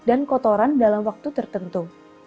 dan kotoran dalam waktu tertentu